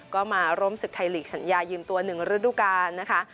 ก็มาร่วมศึกไทยลีกสัญญายืมตัว๑ฤดูกาลนะคะ